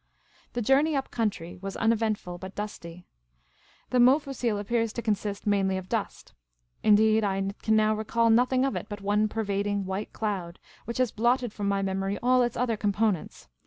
The journey up country was uneventful, but dusty. The Mofussil appears to consist mainly of dust ; indeed, I can now recall nothing of it but one pervading white cloud, which has blotted from my memory all its other components.